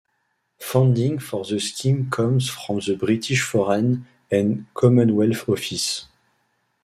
Funding for the scheme comes from the British Foreign and Commonwealth Office.